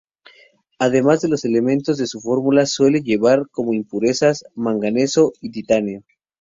Además de los elementos de su fórmula, suele llevar como impurezas: manganeso y titanio.